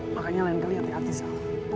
makanya lain kelihatan